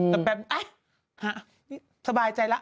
แต่แบบเอ๊ะสบายใจละ